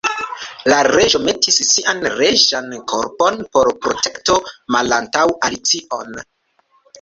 La Reĝo metis sian reĝan korpon por protekto malantaŭ Alicion.